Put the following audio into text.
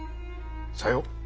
さよう。